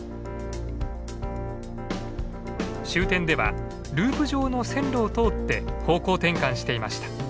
終点ではループ状の線路を通って方向転換していました。